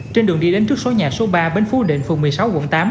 trên đường đi đến trước số nhà số ba bến phú định phường một mươi sáu quận tám